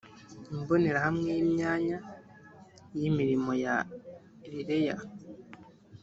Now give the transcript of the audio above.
imbonerahamwe y imyanya y imirimo ya rlea